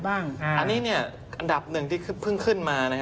อันนี้อันดับหนึ่งที่เพิ่งขึ้นมา